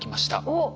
おっ。